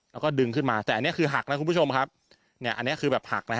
แล้วก็ดึงขึ้นมาแต่อันเนี้ยคือหักนะคุณผู้ชมครับ